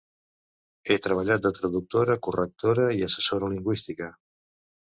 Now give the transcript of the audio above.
He treballat de traductora, correctora i assessora lingüística.